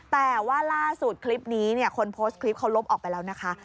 แต่ว่าล่าสุดคลิปนี้เนี่ยคนโพสต์คลิปเขาลบออกไปแล้วนะคะ